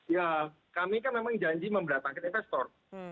ya kami kan memang janji memberatangkan investor